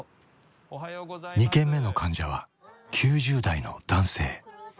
２件目の患者は９０代の男性。